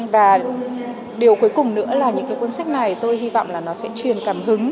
và điều cuối cùng nữa là những cái cuốn sách này tôi hy vọng là nó sẽ truyền cảm hứng